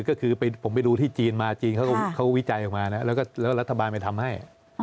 ก็คือผมไปดูที่จีนมาจีนเขาวิจัยออกมาแล้วรัฐบาลไปทำให้